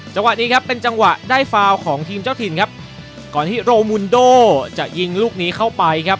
จังหวะนี้ครับเป็นจังหวะได้ฟาวของทีมเจ้าถิ่นครับก่อนที่โรมุนโดจะยิงลูกนี้เข้าไปครับ